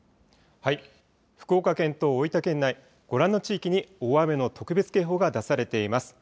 福岡県と大分県内、ご覧の地域に大雨特別警報が出されています。